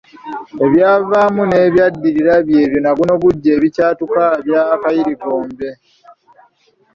Ebyavaamu era n’ebyaddirira byebyo nagunogujwa ebikyatukaabya akayirigombe.